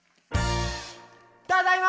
ただいま！